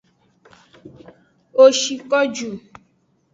Wo shi ko ju.